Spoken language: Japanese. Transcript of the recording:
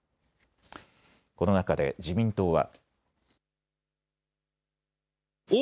この中で自民党は。